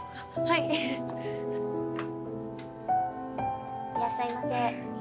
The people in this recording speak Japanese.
いらっしゃいませ。